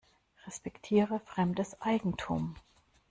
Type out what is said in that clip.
Respektiere fremdes Eigentum.